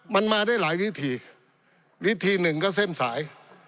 มันมาได้หลายวิธีวิธีหนึ่งก็เส้นสาย